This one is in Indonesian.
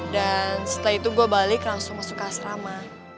dan setelah itu gue balik langsung masuk ke asrama